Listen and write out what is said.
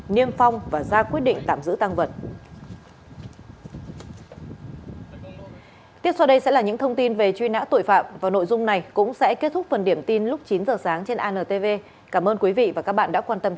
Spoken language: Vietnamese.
niêm phong và ra quyết định tạm giữ tăng vật